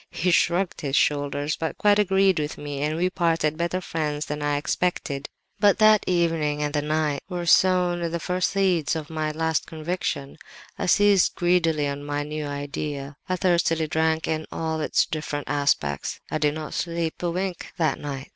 He shrugged his shoulders, but quite agreed with me; and we parted better friends than I had expected. "But that evening and that night were sown the first seeds of my 'last conviction.' I seized greedily on my new idea; I thirstily drank in all its different aspects (I did not sleep a wink that night!)